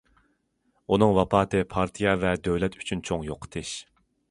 ئۇنىڭ ۋاپاتى پارتىيە ۋە دۆلەت ئۈچۈن چوڭ يوقىتىش.